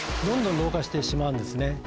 どんどん老化してしまうんですね。